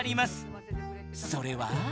それは